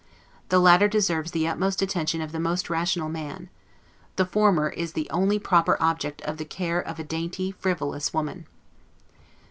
The latter deserves the utmost attention of the most rational man; the former is the only proper object of the care of a dainty, frivolous woman.